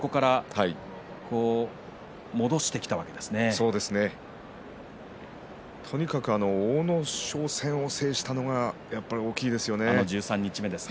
そうですねとにかく阿武咲戦も制したのが大きいですね。